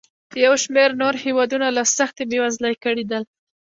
یو شمېر نور هېوادونه له سختې بېوزلۍ کړېدل.